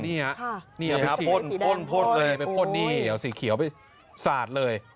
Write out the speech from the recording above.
นี่ครับเอาสีเขียวไปสาดเลย